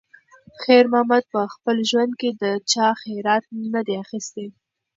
خیر محمد په خپل ژوند کې د چا خیرات نه دی اخیستی.